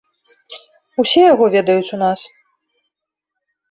Усе яго ведаюць у нас.